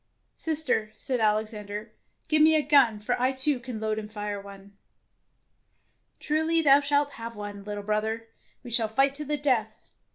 "Sister," said Alexander, "give me a gun, for I too can load and fire one." "Truly thou shalt have one, little brother. We shall fight to the death.